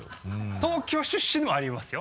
東京出身でもありますよ。